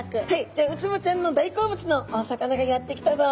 じゃあウツボちゃんの大好物のお魚がやって来たぞ。